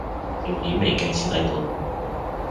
用顯微鏡先睇到